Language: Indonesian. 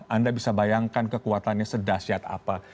anda bisa bayangkan kekuatannya sedahsyat apa